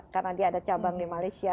karena dia ada cabang di malaysia